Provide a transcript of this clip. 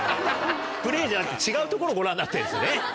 プレーじゃなくて違うところをご覧になってるんですね。